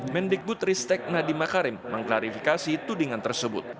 mendikbud ristek nadiem makarim mengklarifikasi tudingan tersebut